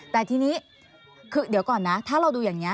แต่ทีนี้คือเดี๋ยวก่อนนะถ้าเราดูอย่างนี้